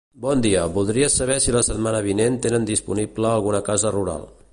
Bon dia, voldria saber si la setmana vinent tenen disponible alguna casa rural.